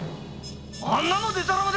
あんなのでたらめだよ。